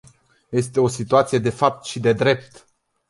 Este o situație de fapt și de drept.